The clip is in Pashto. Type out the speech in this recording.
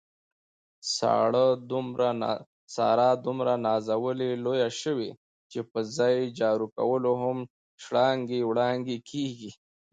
ساره دومره نازولې لویه شوې، چې په ځای جارو کولو هم شړانګې وړانګې کېږي.